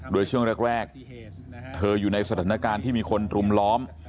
โดยช่วงแรกเธออยู่ในสถานการณ์ที่มีคนรุมล้อม